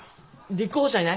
立候補者いない？